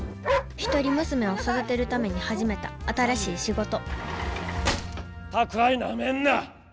１人娘を育てるために始めた新しい仕事宅配なめんな！